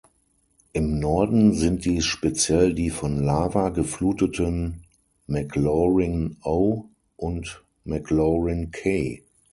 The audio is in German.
Im Norden sind dies speziell die von Lava gefluteten 'Maclaurin O' und 'Maclaurin K'.